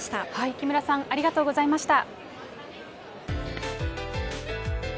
木村さん、ありがとうございました。